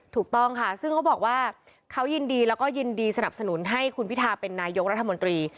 ถูกต้องค่ะซึ่งเขาบอกว่าเขายินดีแล้วก็ยินดีสนับสนุนให้คุณพิทาเป็นนายกรัฐมนตรี